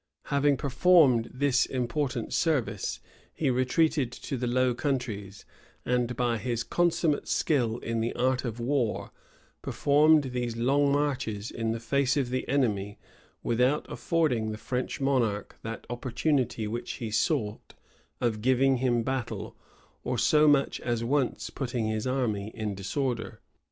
Having performed this important service, he retreated to the Low Countries; and, by his consummate skill in the art of war, performed these long marches in the face of the enemy, without affording the French monarch that opportunity which he sought, of giving him battle, or so much as once putting his army in disorder.